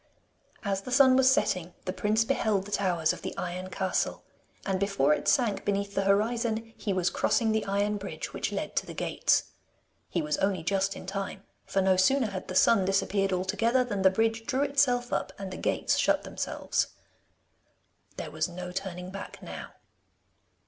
As the sun was setting, the prince beheld the towers of the Iron Castle, and before it sank beneath the horizon he was crossing the iron bridge which led to the gates. He was only just in time, for no sooner had the sun disappeared altogether, than the bridge drew itself up and the gates shut themselves. There was no turning back now!